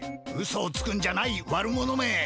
うそをつくんじゃない悪者め！